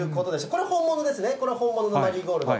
これ、本物ですね、これは本物のマリーゴールド。